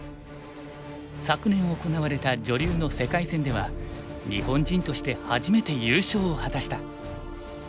昨年行われた女流の世界戦では日本人として初めて優勝を果たした。